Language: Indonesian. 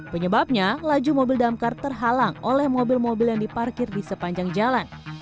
penyebabnya laju mobil damkar terhalang oleh mobil mobil yang diparkir di sepanjang jalan